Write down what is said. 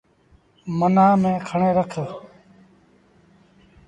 منآن ميٚڻن کڻي رک۔